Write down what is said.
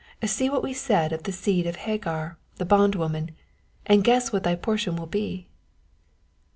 See what we said of the seed of Hagar, the bondwoman ; and guess what thy portion will be.